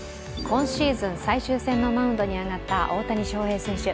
今シーズン最終戦のマウンドに上がった大谷翔平選手。